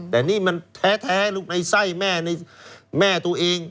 แต่นี้มันแท้ลูกในไส้แม่ตัวเอง